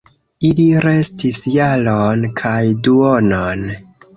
Ili restis jaron kaj duonon.